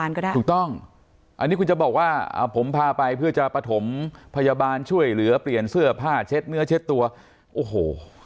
อันนี้ถูกต้องอันนี้คุณจะบอกว่าผมพาไปเพื่อจะประถมพยาบาลช่วยเหลือเปลี่ยนเสื้อผ้าเช็ดเนื้อเช็ดตัวโอ้โห